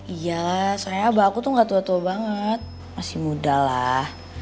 iya soalnya abah aku tuh gak tua tua banget masih muda lah